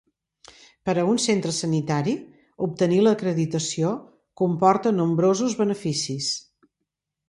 Per a un centre sanitari, obtenir l'acreditació comporta nombrosos beneficis.